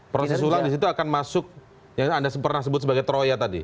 proses ulang disitu akan masuk yang anda pernah sebut sebagai troya tadi